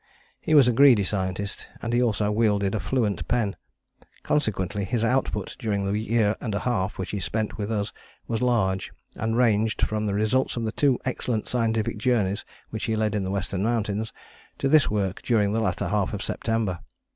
He was a greedy scientist, and he also wielded a fluent pen. Consequently his output during the year and a half which he spent with us was large, and ranged from the results of the two excellent scientific journeys which he led in the Western Mountains, to this work during the latter half of September.